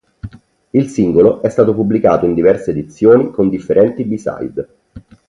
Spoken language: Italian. Il singolo è stato pubblicato in diverse edizioni con differenti "b-side".